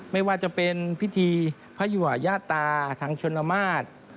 ไม่ว่าจะเป็นพิธีพระอยวะญาตาทางชนมาศ